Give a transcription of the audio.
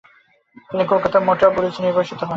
তিনি কলকাতার মেটিয়াবুরুজে নির্বাসিত হন।